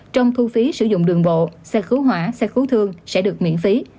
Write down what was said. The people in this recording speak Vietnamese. trong thu phí sử dụng đường bộ xe cứu hỏa xe cứu thương sẽ được miễn phí